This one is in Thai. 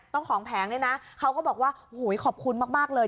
ของแผงเนี่ยนะเขาก็บอกว่าโอ้โหขอบคุณมากเลย